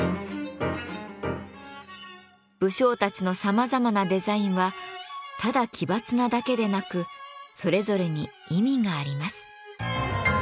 武将たちのさまざまなデザインはただ奇抜なだけでなくそれぞれに意味があります。